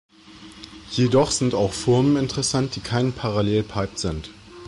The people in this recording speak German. Jedoch sind auch Formen interessant, die kein Parallelepiped sind.